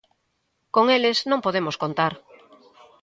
Con eles non podemos contar.